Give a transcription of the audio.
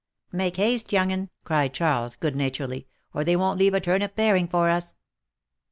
" Make haste, young'un," cried Charles, good naturedly, " or they won't leave a turnip paring for us."